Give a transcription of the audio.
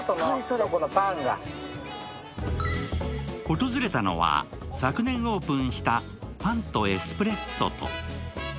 訪れたのは昨年オープンしたパンとエスプレッソと。